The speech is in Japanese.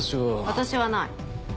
私はない。